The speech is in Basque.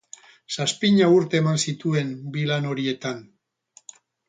Zazpina urte eman zituen bi lan horietan.